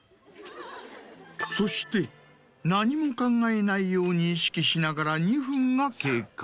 そして何も考えないように意識しながら２分が経過。